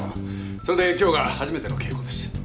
それで今日が初めての稽古です。